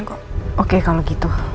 gue enak banget